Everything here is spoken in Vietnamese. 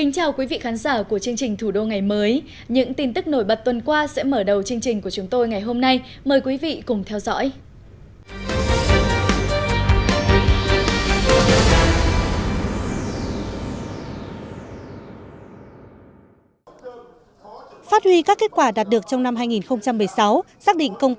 chào mừng quý vị đến với bộ phim thủ đô ngày mới